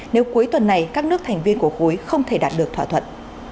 nếu cuối tuần này các nước thành viên của khối không thể đạt được thỏa thuận